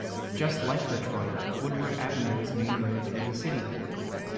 Just like Detroit, Woodward Avenue is the main road through the city.